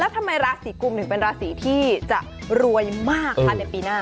ทำไมราศีกุมถึงเป็นราศีที่จะรวยมากคะในปีหน้า